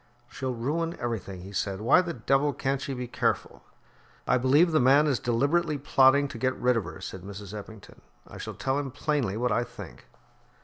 "She'll ruin everything," he said. "Why the devil can't she be careful?" "I believe the man is deliberately plotting to get rid of her," said Mrs. Eppington. "I shall tell him plainly what I think."